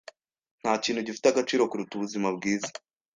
Ntakintu gifite agaciro kuruta ubuzima bwiza.